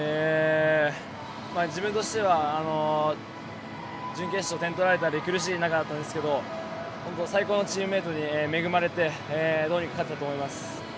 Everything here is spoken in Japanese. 自分としては準決勝、点取られたり苦しい中だったんですけど本当に最高のチームメートに恵まれてどうにか勝てたと思います。